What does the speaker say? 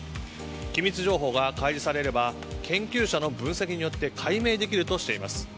機密情報が開示されれば研究者の分析によって解明できるとしています。